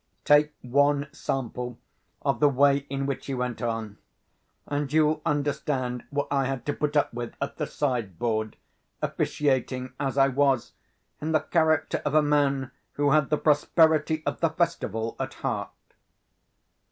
Take one sample of the way in which he went on, and you will understand what I had to put up with at the sideboard, officiating as I was in the character of a man who had the prosperity of the festival at heart.